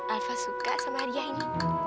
alva suka sama aria ini